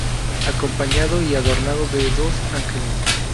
Acompañado y adornado de dos ángeles.